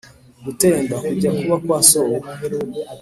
gutenda: kujya kuba kwa sobukwe